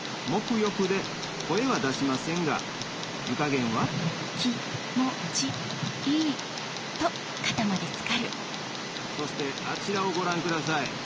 浴で声は出しませんが湯加減はそしてあちらをご覧ください